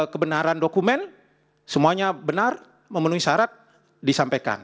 kebenaran dokumen semuanya benar memenuhi syarat disampaikan